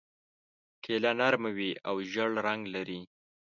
کیله نرمه وي او ژېړ رنګ لري.